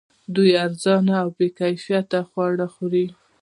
دوی ارزان او بې کیفیته خواړه خوري